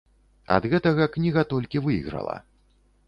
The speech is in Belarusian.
Ад гэтага кніга толькі выйграла.